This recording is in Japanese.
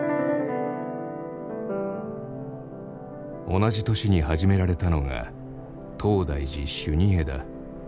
同じ年に始められたのが東大寺修二会だ。